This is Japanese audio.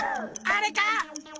あれか？